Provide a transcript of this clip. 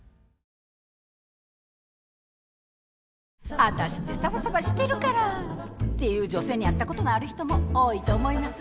「ワタシってサバサバしてるから」って言う女性に会ったことのある人も多いと思います。